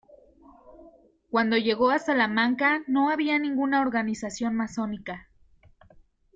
Cuando llegó a Salamanca no había ninguna organización masónica.